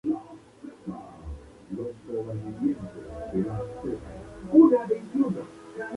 Muchos manuscritos de estas tablas se volvieron a traducir del latín al hebreo.